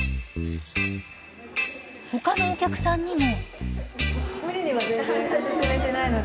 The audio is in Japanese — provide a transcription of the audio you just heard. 他のお客さんにも。